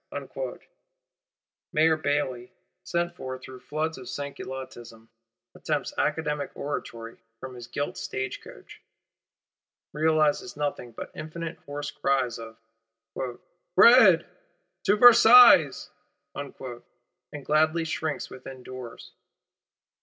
Mayor Bailly, sent for through floods of Sansculottism, attempts academic oratory from his gilt state coach; realizes nothing but infinite hoarse cries of: 'Bread! To Versailles!'—and gladly shrinks within doors.